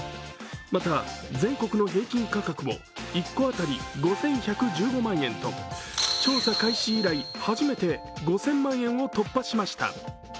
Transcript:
また全国の平均価格も１戸当たり５１１５万円と調査開始以来初めて５０００万円を突破しました。